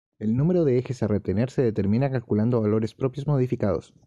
El número de ejes a retener se determina calculando valores propios modificados.